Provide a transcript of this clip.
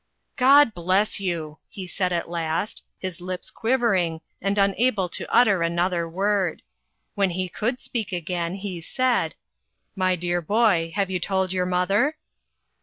" God bless you !" he said at last, his lips quivering, and unable to utter another word. When he could speak again he said :" My dear boy, have you told your mother